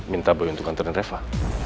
minta boy untuk kantorin reva